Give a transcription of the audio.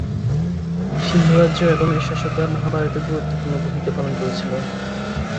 সিন্ধু রাজ্য এবং এর শাসকরা মহাভারতে গুরুত্বপূর্ণ ভূমিকা পালন করেছিল।